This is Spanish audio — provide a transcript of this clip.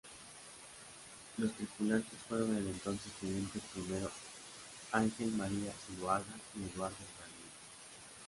Los tripulantes fueron el entonces Teniente Primero Ángel María Zuloaga y Eduardo Bradley.